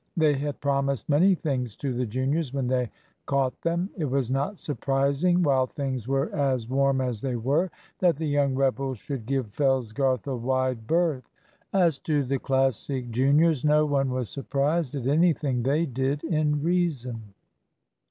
They had promised many things to the juniors when they caught them. It was not surprising, while things were as warm as they were, that the young rebels should give Fellsgarth a wide berth. As to the Classic juniors, no one was surprised at anything they did, in reason.